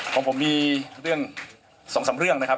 ของผมมี๒๓เรื่องนะครับ